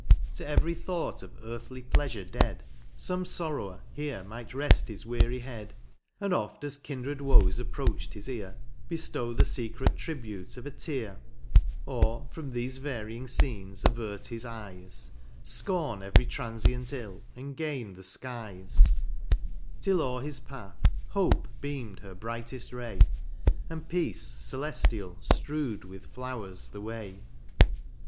31 To every thought of earthly pleafure dead, Some Sorrower, here might reft his weary head ; And oft as kindred woes approach'd his ear, Beftow the fecret tribute of a tear : Or from thefe varying fcenes avert his eyes, Scorn every traniient ill, and gain the fkies ; Till o'er his path, hope beam'd her brighteft ray, And peace celeftial ftrew'd with flowers the way.